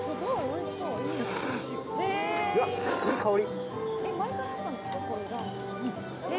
うわ、いい香り。